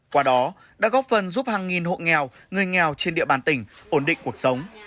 qua đó đã góp phần giúp hàng nghìn hộ nghèo người nghèo trên địa bàn tỉnh ổn định cuộc sống